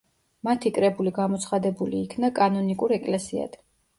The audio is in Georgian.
მათი კრებული გამოცხადებული იქნა კანონიკურ ეკლესიად.